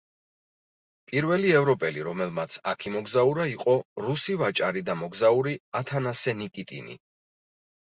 პირველი ევროპელი, რომელმაც აქ იმოგზაურა იყო რუსი ვაჭარი და მოგზაური ათანასე ნიკიტინი.